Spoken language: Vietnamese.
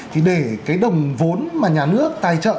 thì để cái đồng vốn mà nhà nước tài trợ